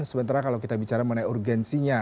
sementara kalau kita bicara mengenai urgensinya